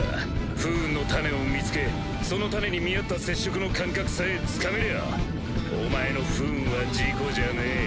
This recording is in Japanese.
不運の種を見つけその種に見合った接触の感覚さえつかめりゃお前の不運は事故じゃねぇ。